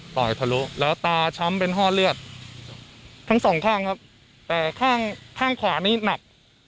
ทะลุแล้วตาช้ำเป็นห้อเลือดทั้งสองข้างครับแต่ข้างข้างขวานี้หนัก